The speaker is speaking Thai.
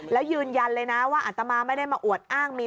แล้วยืนยันเลยนะว่าอัตมาไม่ได้มาอวดอ้างมี